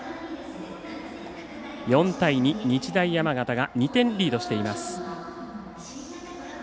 ４対２、日大山形が２点リードしています。